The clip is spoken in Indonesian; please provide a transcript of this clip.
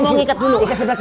nanti kamu jalan